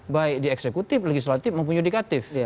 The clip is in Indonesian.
baik di eksekutif legislatif maupun yudikatif